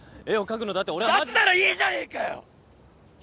だったらいいじゃねえかよ！